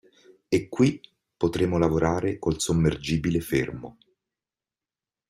E qui potremo lavorare col sommergibile fermo.